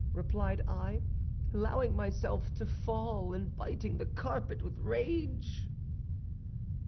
replied I, allowing myself to fall, and biting the carpet with rage."